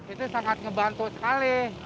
itu sangat ngebantu sekali